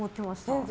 全然。